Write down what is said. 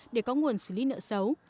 để có nguồn xử lý nợ xấu